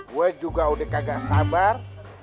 gue juga udah kagak sabar